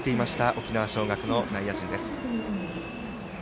沖縄尚学の内野陣です。